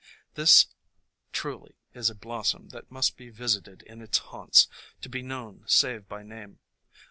This truly is a blossom that must be visited in its haunts to be known save by name.